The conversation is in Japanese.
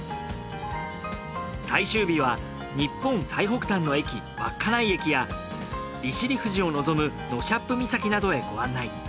最終日は日本最北端の駅稚内駅や利尻富士を望むノシャップ岬などへご案内。